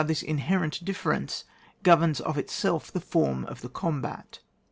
this inherent difference governs of itself tht form of the combat.